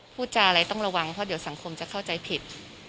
พูดจาอะไรต้องระวังเพราะเดี๋ยวสังคมจะเข้าใจผิด